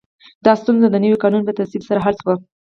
دا ستونزه د نوي قانون په تصویب سره حل شوه.